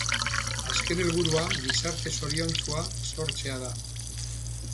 Azken helburua gizarte zoriontsua sortzea da.